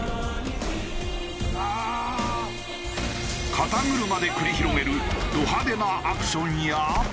肩車で繰り広げるド派手なアクションや。